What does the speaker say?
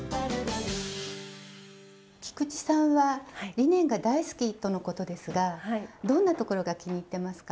菊池さんはリネンが大好きとのことですがどんなところが気に入ってますか？